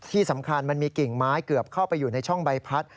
ที่สำคัญมันมีกลิ่งไม้เกือบเข้าไปอยู่ในช่องใบพัด